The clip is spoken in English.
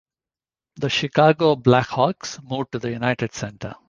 The Chicago Blackhawks moved to the United Center.